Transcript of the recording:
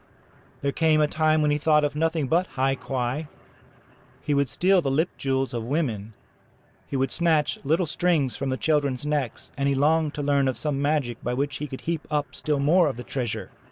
There came a time when he thought of nothing but hai quai. He would steal the lip jewels of women, he would snatch little strings from the children's necks, and he longed to learn of some magic, by which he could heap up still more of the treasure.